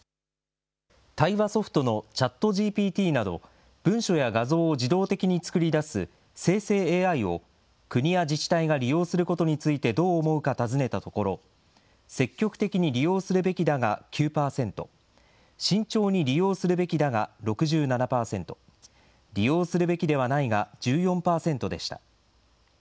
対話ソフトのＣｈａｔＧＰＴなど、文章や画像を自動的に作り出す生成ＡＩを国や自治体が利用することについてどう思うか尋ねたところ、積極的に利用するべきだが９％、慎重に利用するべきだが６７％、利用するべきではないが１４％でした。